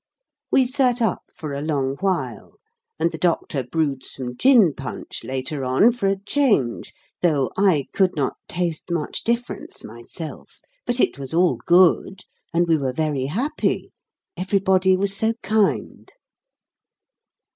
We sat up for a long while, and the Doctor brewed some gin punch later on, for a change, though I could not taste much difference myself. But it was all good, and we were very happy everybody was so kind.